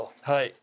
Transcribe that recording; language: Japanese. はい。